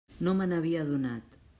No me n'havia adonat.